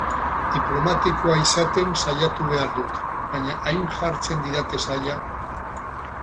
Diplomatikoa izaten saiatu behar dut, baina hain jartzen didate zaila...